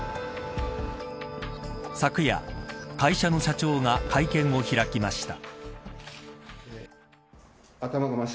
昨夜、会社の社長が会見を開きました。